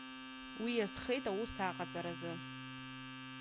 Уи азхеит аус аҟаҵаразы.